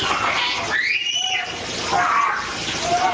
เบ็ดสืบหัวพ่าเบ็ดสืบหัวพ่า